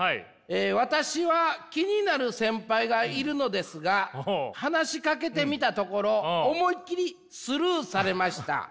「私は気になる先輩がいるのですが話しかけてみたところ思いっきりスルーされました。